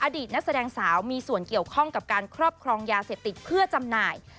อดีตนักแสดงสาวมีส่วนเกี่ยวข้องกับการครอบครองยาเสพติดเพื่อจำหน่าย